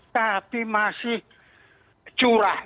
tapi masih curah